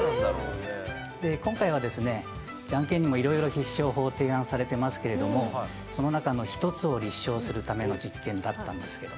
今回は、じゃんけんにもいろいろ必勝法が提案されていますがその中の１つを立証するための実験だったんです。